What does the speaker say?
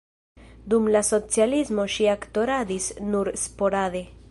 Dum la socialismo ŝi aktoradis nur sporade.